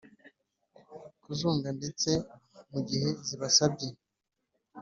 kuzunga ndetse mu gihe zibisabye